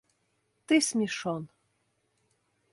– Ты смешон.